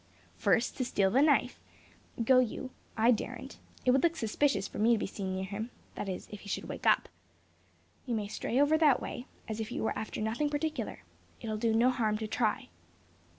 "First, to steal the knife. Go you: I daren't: it would look suspicious for me to be seen near him, that is, if he should wake up. You may stray over that way, as if you were after nothing particular. It'll do no harm to try."